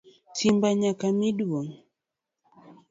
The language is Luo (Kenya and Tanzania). Simba nyaka mi duong.